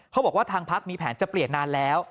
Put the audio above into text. บอกว่าทางพักมีแผนจะเปลี่ยนนานแล้ว